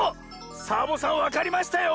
サボさんわかりましたよ！